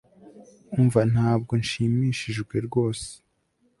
Umva ntabwo nshimishijwe rwose